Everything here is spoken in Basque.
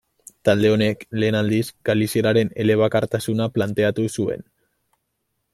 Talde honek lehen aldiz galizieraren elebakartasuna planteatu zuen.